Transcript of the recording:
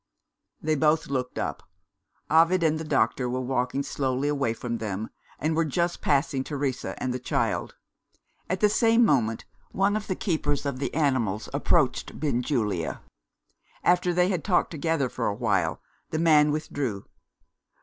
They both looked up. Ovid and the doctor were walking slowly away from them, and were just passing Teresa and the child. At the same moment, one of the keepers of the animals approached Benjulia. After they had talked together for a while, the man withdrew.